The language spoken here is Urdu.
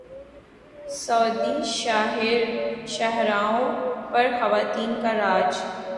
سعودی شاہراہوں پر خواتین کا راج